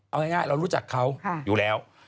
เอาง่ายเรารู้จักเขาอยู่แล้ว